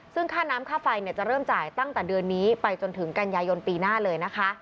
ซึ่งค่าน้ำค่าไฟจะเริ่มจ่ายตั้งแต่เดือนนี้ไปจนถึงกันยายนปีหน้าเลยนะคะ